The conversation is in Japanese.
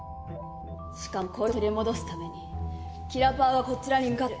しかもコイツを取り戻すためにキラパワがこちらに向かってる。